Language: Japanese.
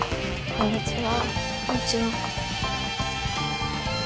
こんにちは。